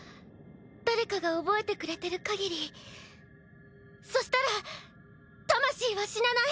誰かが覚えてくれてるかぎりそしたら魂は死なない！